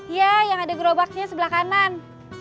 ya yang ada gerobaknya sebelah kanan